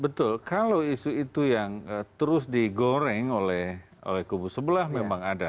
betul kalau isu itu yang terus digoreng oleh kubu sebelah memang ada